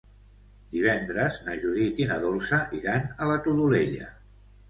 Divendres na Judit i na Dolça iran a la Todolella.